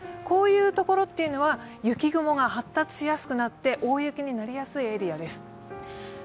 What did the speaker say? こういう所は雪雲が発達しやすくなって、大雪になりやすいエリアです。